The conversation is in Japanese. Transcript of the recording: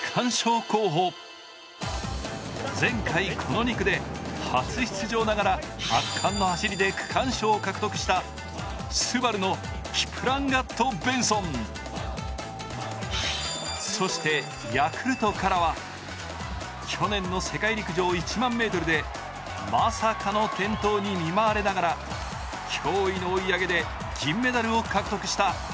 前回２区で初出場ながら圧巻の走りで区間賞を獲得したＳＵＢＡＲＵ、キプランガット・ベンソそして、ヤクルトからは去年の世界陸上１００００ｍでまさかの転倒に見舞われながら驚異の追い上げで銀メダルを獲得した。